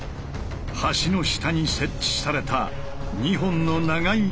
橋の下に設置された２本の長い金属板。